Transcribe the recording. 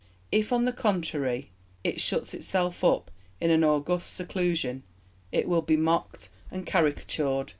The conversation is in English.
If, on the contrary, it shuts itself up in an august seclusion, it will be mocked and caricatured